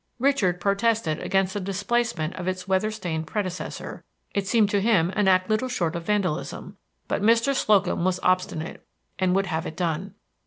Richard protested against the displacement of its weather stained predecessor; it seemed to him an act little short of vandalism; but Mr. Slocum was obstinate, and would have it done.